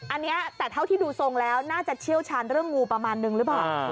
อันนี้แต่เท่าที่ดูทรงแล้วน่าจะเชี่ยวชาญเรื่องงูประมาณนึงหรือเปล่า